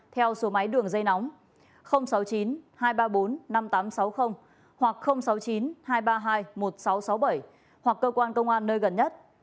theo số máy đường dây nóng sáu mươi chín hai trăm ba mươi bốn năm nghìn tám trăm sáu mươi hoặc sáu mươi chín hai trăm ba mươi hai một nghìn sáu trăm sáu mươi bảy hoặc cơ quan công an nơi gần nhất